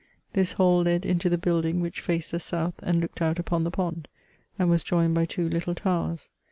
This hall led into the building which faced the south and looked out upon the pond, and was joined by two little towers.